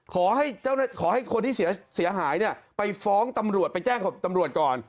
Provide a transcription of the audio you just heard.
ขอให้คนที่เสียหายไปฟ้องตำรวจไปแจ้งตำรวจก่อน